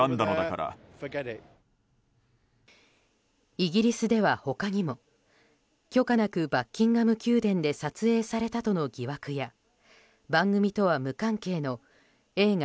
イギリスでは、他にも許可なくバッキンガム宮殿で撮影されたとの疑惑や番組とは無関係の映画